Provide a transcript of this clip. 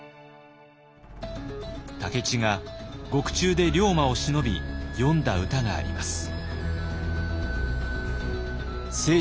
武市が獄中で龍馬をしのび詠んだ歌があります。